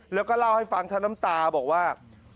แล้วก็เล่าให้ฟังทั้งน้ำตาบอกว่า